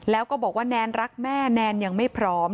แล้วก็บอกว่าแนนรักแม่แนนยังไม่พร้อม